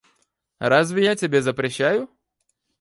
Разве я тебе запрещаю?